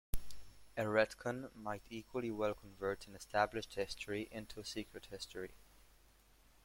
A retcon might equally well convert an established history into a secret history.